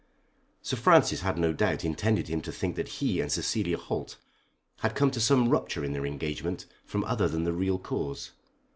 Sir Francis had no doubt intended him to think that he and Cecilia Holt had come to some rupture in their engagement from other than the real cause.